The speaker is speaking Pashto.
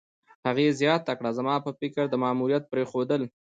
هغې زیاته کړه: "زما په فکر، د ماموریت پرېښودل